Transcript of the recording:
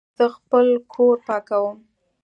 زه خپل کور پاکوم